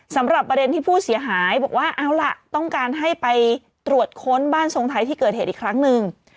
สำหรับประเด็นที่ผู้เสียหายบอกว่าเอาล่ะต้องการให้ไปตรวจค้นบ้านทรงไทยที่เกิดเหตุอีกครั้งหนึ่ง